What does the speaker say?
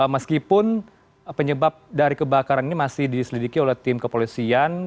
meskipun penyebab dari kebakaran ini masih diselidiki oleh tim kepolisian